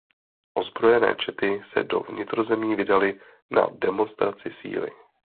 Ozbrojené čety se do vnitrozemí vydaly na demonstraci síly.